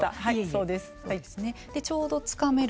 ちょうどつかめる。